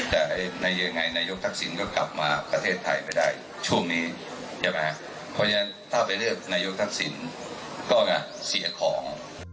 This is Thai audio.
แต่ในยังไงนายกทักษิณก็กลับมาประเทศไทยไปได้ช่วงนี้ใช่ไหมเพราะฉะนั้นถ้าไปเลือกนายกทักษิณก็จะเสียของ